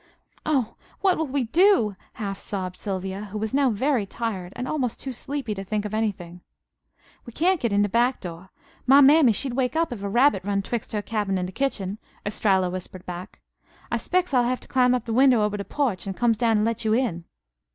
"Oh! What will we do?" half sobbed Sylvia, who was now very tired, and almost too sleepy to think of anything. "We cyan't get in de back door. My mammy she'd wake up if a rabbit run twixt her cabin an' de kitchen," Estralla whispered back. "I 'spec's I'll hev' to climb up to de winder ober de porch, and comes down and let you in."